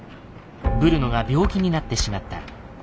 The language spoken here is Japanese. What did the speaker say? ブルノが病気になってしまった。